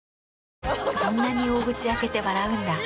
そんなに大口開けて笑うんだ。